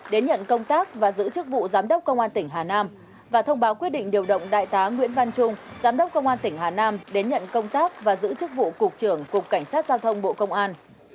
đến nhận công tác và giữ chức vụ giám đốc công an tỉnh hà nam và thông báo quyết định điều động đại tá nguyễn văn trung giám đốc công an tỉnh hà nam đến nhận công tác và giữ chức vụ cục trưởng cục cảnh sát giao thông bộ công an